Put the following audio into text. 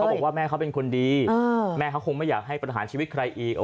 บอกว่าแม่เขาเป็นคนดีแม่เขาคงไม่อยากให้ประหารชีวิตใครอีก